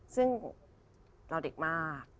ซึ่งเราเด็กมาก